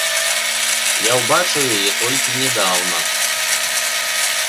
Я ўбачыў яе толькі нядаўна.